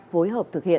vối hợp thực hiện